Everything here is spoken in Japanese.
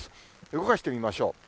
動かしてみましょう。